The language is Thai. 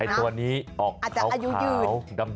ตัวนี้ออกกล่าว